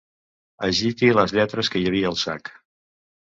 Agiti les lletres que hi havia al sac.